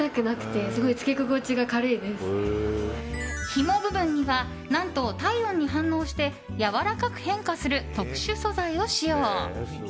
ひも部分には何と体温に反応してやわらかく変化する特殊素材を使用。